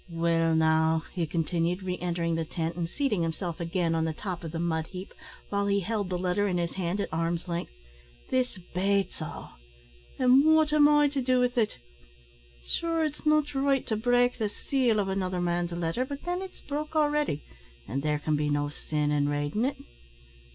"Well, now," he continued, re entering the tent, and seating himself again on the top of the mud heap, while he held the letter in his hand at arm's length, "this bates all! An' whot am I to do with it? Sure it's not right to break the seal o' another man's letter; but then it's broke a'ready, an' there can be no sin in raidin' it.